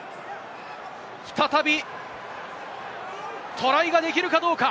再びトライができるかどうか？